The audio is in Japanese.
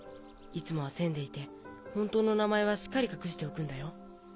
いつもは千でいて本当の名前はしっかり隠しておくんだよ。